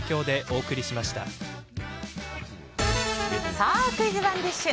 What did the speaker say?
さあ、クイズＯｎｅＤｉｓｈ。